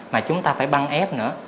mà chúng ta phải băng ép nữa